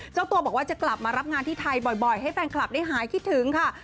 เจ้าตัวบอกว่าจะกลับมารับงานที่ไทยบ่อยให้แฟนคลับได้หายคิดถึงค่ะ